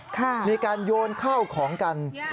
มีการโยนข้าวของกัน